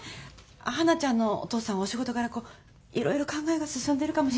花ちゃんのお父さんはお仕事柄いろいろ考えが進んでるかも。